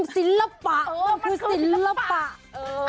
ศิลปะก็คือศิลปะ